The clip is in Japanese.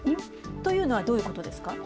というのは、どういうことですか？